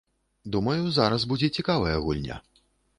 Думаю, зараз будзе цікавая гульня.